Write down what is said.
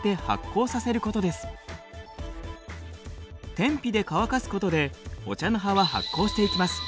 天日で乾かすことでお茶の葉は発酵していきます。